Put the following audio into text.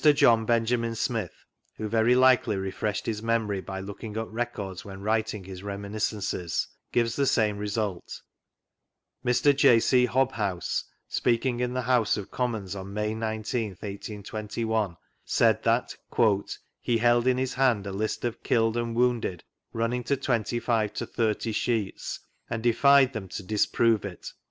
John Benjamin Smith (who very likely refreshed his memory by looking up records when writing his Reminiscences) gives the same result. 'Hix. J. C. Hobhousc, speaking in the House of Com mons, on May 19th, 1821, said that "he held in his hand a list of kQled and wounded running to 25730 sheets, and deSed them to disprove it."